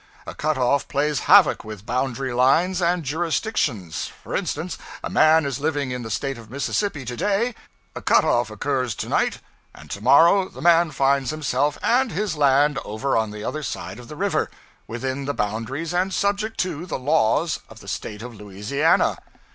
A cut off plays havoc with boundary lines and jurisdictions: for instance, a man is living in the State of Mississippi to day, a cut off occurs to night, and to morrow the man finds himself and his land over on the other side of the river, within the boundaries and subject to the laws of the State of Louisiana!